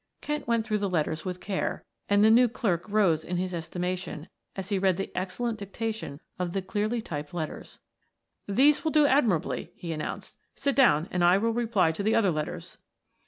Kent went through the letters with care, and the new clerk rose in his estimation as he read the excellent dictation of the clearly typed answers. "These will do admirably," he announced. "Sit down and I will reply to the other letters."